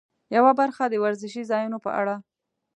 یوه برخه د ورزشي ځایونو په اړه.